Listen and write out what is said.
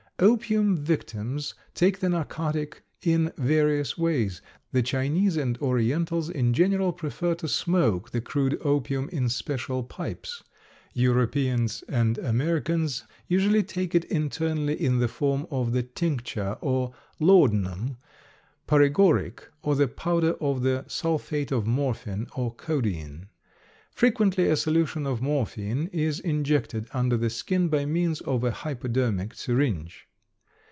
Opium victims take the narcotic in various ways. The Chinese and Orientals in general prefer to smoke the crude opium in special pipes. Europeans and Americans usually take it internally in the form of the tincture or laudanum, paregoric or the powder of the sulphate of morphine or codeine. Frequently a solution of morphine is injected under the skin by means of a hypodermic syringe.